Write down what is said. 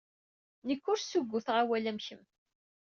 Nekk ur ssugguteɣ awal am kemm.